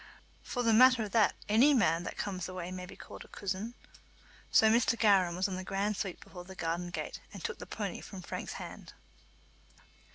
"For the matter o' that, ony man that comes the way may be ca'ed a coosin." So Mr. Gowran was on the grand sweep before the garden gate, and took the pony from Frank's hand.